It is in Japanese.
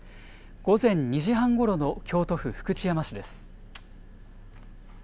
午前２時半ごろの京都府福知山市です。